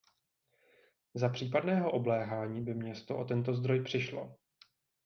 Za případného obléhání by město o tento zdroj přišlo.